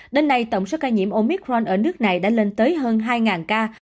đến nay tổng số ca nhiễm omicron ở nước này đã lên tới hơn hai ca